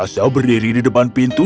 apakah ada raksasa berdiri di depan pintu